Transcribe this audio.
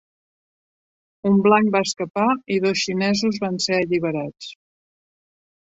Un blanc va escapar i dos xinesos van ser alliberats.